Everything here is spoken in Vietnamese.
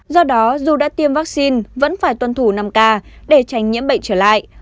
do đó dù đã tiêm vaccine vẫn phải tuân thủ năm k để tránh nhiễm bệnh trở lại